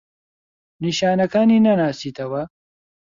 نیشانەکانی ناناسیتەوە؟